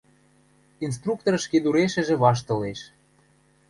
Инструктор ӹшкедурешӹжӹ ваштылеш.